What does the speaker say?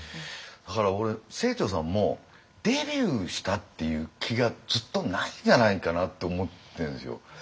だから俺清張さんもデビューしたっていう気がずっとないんじゃないかなって思ってるんですよ。